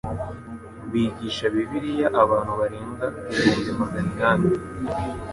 Bigisha Bibiliya abantu barenga ibihumbi maganinani